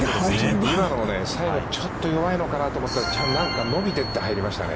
今の、最後、ちょっと弱いのかなと思ったら、伸びていって入りましたよね。